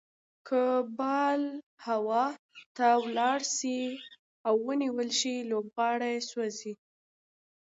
که بال هوا ته ولاړ سي او ونيول سي؛ لوبغاړی سوځي.